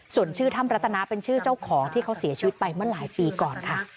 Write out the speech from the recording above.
ส่วนชื่อถ้ำรัตนาเป็นชื่อเจ้าของที่เขาเสียชีวิตไปเมื่อหลายปีก่อนค่ะ